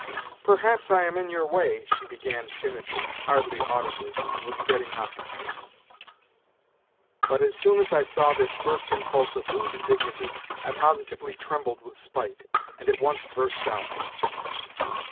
" Perhaps I am in your way," she began timidly, hardly audibly, and was getting up. NOTES FROM UNDERGROUND 147 But as soon as I saw this first impulse of wounded dignity I positively trembled with spite, and at once burst out.